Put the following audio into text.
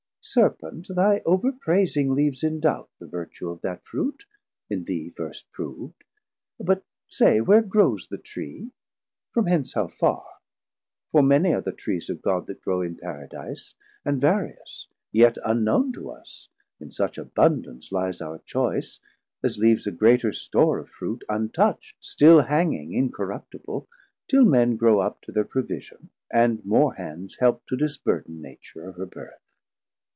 Serpent, thy overpraising leaves in doubt The vertue of that Fruit, in thee first prov'd: But say, where grows the Tree, from hence how far? For many are the Trees of God that grow In Paradise, and various, yet unknown To us, in such abundance lies our choice, 620 As leaves a greater store of Fruit untoucht, Still hanging incorruptible, till men Grow up to thir provision, and more hands Help to disburden Nature of her Bearth.